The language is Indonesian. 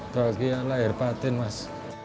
bahagia lahir batin mas